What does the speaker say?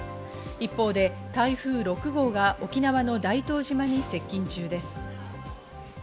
一方で台風６号が沖縄の大東島に接近中です。